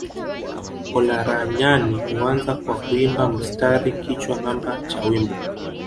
Olaranyani huanza kwa kuimba mstari kichwa namba cha wimbo